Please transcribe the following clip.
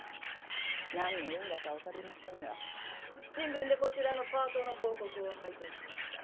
何の因果か分かりませんが新聞でこちらのパートの広告を拝見しました。